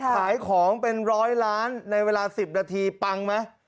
ขายของเป็นร้อยล้านในเวลา๑๐นาทีปังไหม